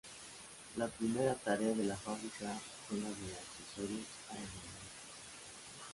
La primera tarea de la fábrica fue la de accesorios aeronáuticos.